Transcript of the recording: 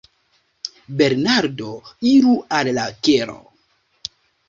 Bernardo: Iru al la kelo.